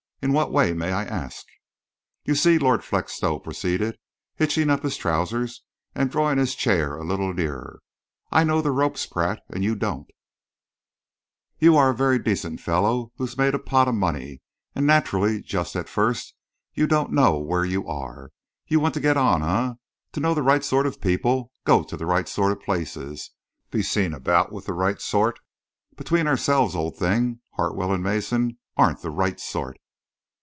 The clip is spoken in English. "In what way, may I ask?" "You see," Lord Felixstowe proceeded, hitching up his trousers and drawing his chair a little nearer, "I know the ropes, Pratt, and you don't. You're a very decent fellow who's made a pot of money, and naturally, just at first, you don't know where you are. You want to get on, eh, to know the right sort of people, go to the right sort of places, be seen about with the right sort? Between ourselves, old thing, Hartwell and Mason aren't the right sort.